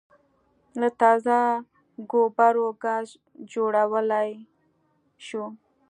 له تازه ګوبرو ګاز جوړولای شو